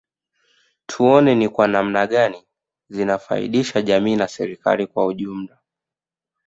Tuone ni kwa namna gani zinafaidisha jamii na serikali kwa ujumla